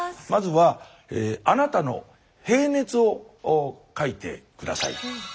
まずはあなたの平熱を書いて下さい。